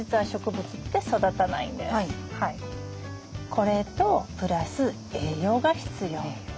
これとプラス栄養が必要。